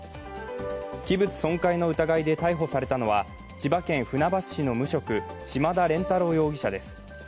器物損壊の疑いで逮捕されたのは千葉県船橋市の無職、島田廉太郎容疑者です。